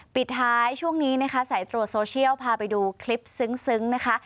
ปิดท้ายช่วงนี้นะคะสายตรวจโซเชียลพาไปดูคลิปซึ้งนะคะ